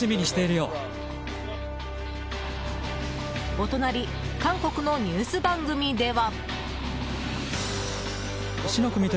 お隣、韓国のニュース番組では。